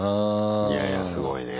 いやいやすごいね。